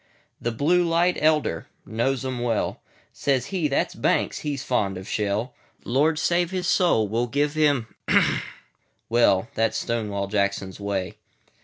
The "Blue light Elder" knows 'em well:Says he, "That 's Banks; he 's fond of shell. Lord save his soul! we 'll give him ——;" Well, That 's Stonewall Jackson's Way.